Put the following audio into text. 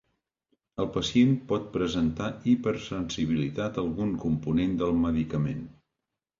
El pacient pot presentar hipersensibilitat a algun component del medicament.